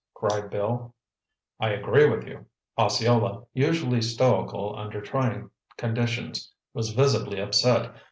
cried Bill. "I agree with you." Osceola, usually stoical under trying conditions, was visibly upset.